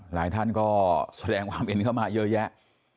หลายท่านก็แสดงความเห็นเข้ามาเยอะแยะ